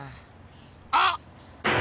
あっ！